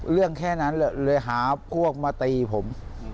เรื่องแค่นั้นเลยหาพวกมาตีผม